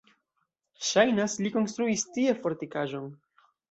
Ŝajnas, li konstruis tie fortikaĵon.